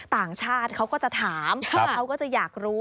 ต่างชาติเขาก็จะถามเขาก็จะอยากรู้